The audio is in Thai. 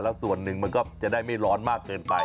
แล้วส่วนหนึ่งมันก็จะได้ไม่ร้อนมากเกินไป